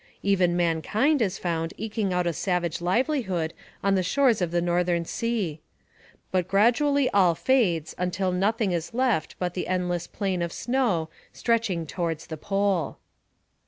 Even mankind is found eking out a savage livelihood on the shores of the northern sea. But gradually all fades, until nothing is left but the endless plain of snow, stretching towards the Pole.